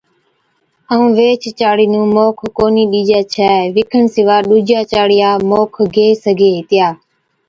ائُون ويھِچ چاڙَي نُون موک ڪونھِي ڏِجَي ڇَي، وِکن سِوا ڏُوجِيا چاڙِيا موک گيھ سِگھي ھِتيا